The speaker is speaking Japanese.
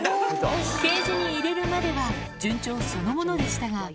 ケージに入れるまでは順調そのものでしたが。